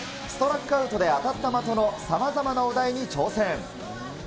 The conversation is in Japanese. ストラックアウトで当たった的のさまざまなお代に挑戦。